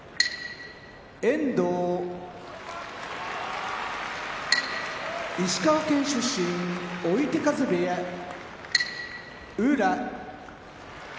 遠藤石川県出身追手風部屋宇良